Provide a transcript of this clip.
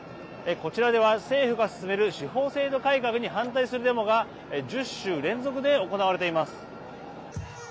こちらでは、政府が進める司法制度改革に反対するデモが１０週連続で行われています。